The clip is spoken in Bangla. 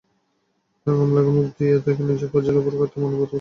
তাঁর ঘামলাগা মুখ দেখে নিজের ফজিলা বুর কথা মনে পড়ে বজলুলের।